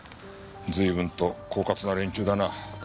随分と狡猾な連中だな。